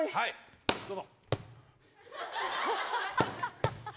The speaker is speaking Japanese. どうぞ。